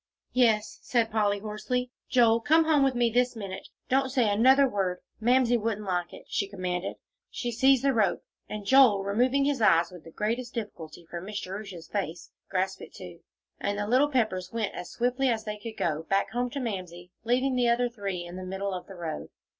"Yes," said Polly, hoarsely. "Joel, come home with me this minute; don't say another word, Mamsie wouldn't like it," she commanded. She seized the rope, and Joel, removing his eyes with the greatest difficulty from Miss Jerusha's face, grasped it, too, and the little Peppers went as swiftly as they could go, back home to Mamsie, leaving the other three in the middle of the road.